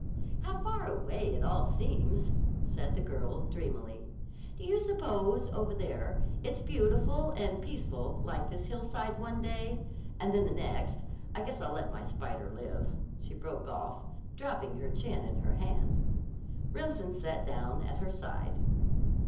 "How far away it all seems!" said the girl dreamily. "Do you suppose, over there, it's beautiful and peaceful like this hillside one day, and then the next—I guess I'll let my spy spider live," she broke off, dropping her chin in her hand. Remsen sat down at her side.